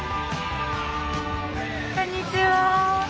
こんにちは。